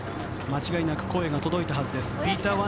間違いなく声が届いたはずです。